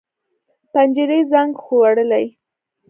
پنجرې زنګ خوړلي